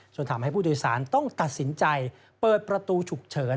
ทำให้ผู้โดยสารต้องตัดสินใจเปิดประตูฉุกเฉิน